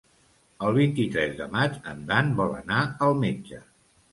El vint-i-tres de maig en Dan vol anar al metge.